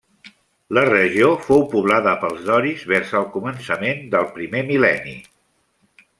La regió fou poblada pels doris vers al començament del primer mil·lenni.